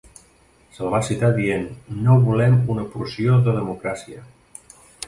Se'l va citar dient, "No volem una porció de democràcia".